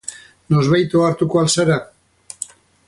Noizbait ohartuko al zara?